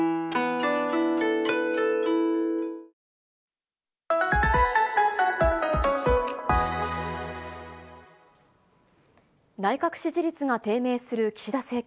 また、内閣支持率が低迷する岸田政権。